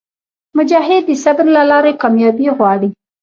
مجاهد د صبر له لارې کاميابي غواړي.